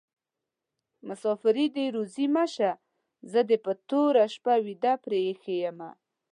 مسافري دي روزي مشه: زه دي په توره شپه ويده پریښي يمه